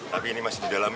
tapi ini masih di dalam